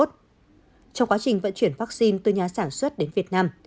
trong quá trình vận chuyển vaccine từ nhà sản xuất đến việt nam